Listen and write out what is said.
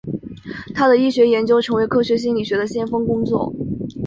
他的医学研究成为科学心理学的先锋工作。